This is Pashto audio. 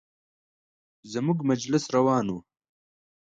زموږ مجلس روان و.